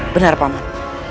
benar pak man